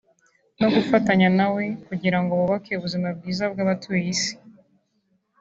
no gufatanya nawe kugira ngo bubake ubuzima bwiza bw’abatuye isi